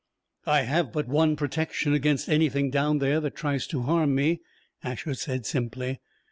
"I have but one protection against anything down there that tries to harm me," Asher said simply.